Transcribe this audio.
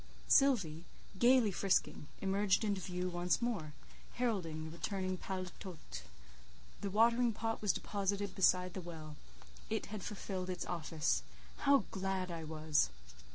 Sylvie, gaily frisking, emerged into view once more, heralding the returning paletôt; the watering pot was deposited beside the well; it had fulfilled its office; how glad I was!